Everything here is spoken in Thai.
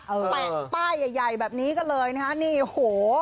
แปะป้ายใหญ่แบบนี้ก็เลยนะนี่โห